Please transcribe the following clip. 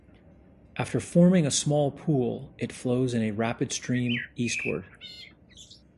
After forming a small pool, it flows in a rapid stream eastward.